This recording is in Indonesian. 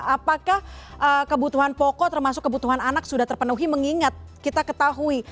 apakah kebutuhan pokok termasuk kebutuhan anak sudah terpenuhi mengingat kita ketahui